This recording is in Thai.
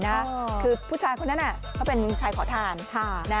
น่ะคือผู้ชายคนนั้นอ่ะเขาเป็นมึงชายขอทานค่ะนะ